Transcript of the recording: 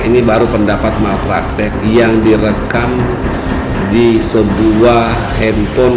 ini baru pendapat malpraktek yang direkam di sebuah handphone